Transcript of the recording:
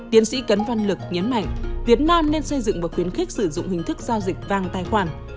tiến sĩ cấn văn lực nhấn mạnh việt nam nên xây dựng và khuyến khích sử dụng hình thức giao dịch vàng tài khoản